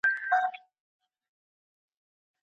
څنګه افغان صادروونکي خالص زعفران ترکیې ته لیږدوي؟